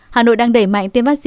hà nội đang đẩy mạnh tiêu chí